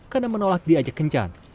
karena menolak diajak kencan